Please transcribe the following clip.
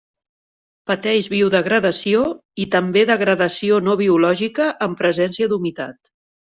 Pateix biodegradació i també degradació no biològica en presència d’humitat.